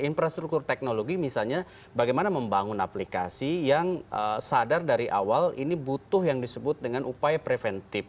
infrastruktur teknologi misalnya bagaimana membangun aplikasi yang sadar dari awal ini butuh yang disebut dengan upaya preventif